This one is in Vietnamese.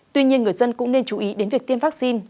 tuy nhiên người dân cũng nên chú ý đến việc tiêm vaccine